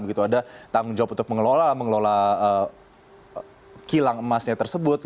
begitu ada tanggung jawab untuk mengelola mengelola kilang emasnya tersebut